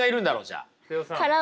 じゃあ。